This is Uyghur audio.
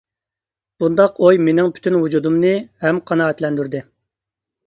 بۇنداق ئوي مېنىڭ پۈتۈن ۋۇجۇدۇمنى ھەم قانائەتلەندۈردى.